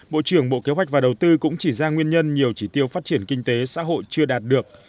bộ trưởng bộ kế hoạch và đầu tư cũng chỉ ra nguyên nhân nhiều chỉ tiêu phát triển kinh tế xã hội chưa đạt được